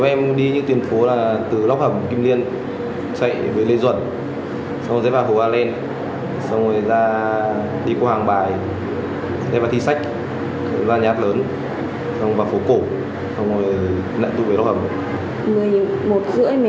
về tám mươi chín mươi thế em đi như tuyến phố là từ lóc hẩm kim liên chạy với lê duẩn xong rồi sẽ vào phố a lên xong rồi ra đi qua hàng bài sẽ vào thi sách ra nhát lớn xong rồi vào phố cổ xong rồi lại tui về lóc hẩm